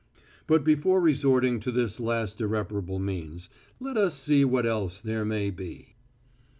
But before resorting to this last irreparable means, let us see what else there may be...."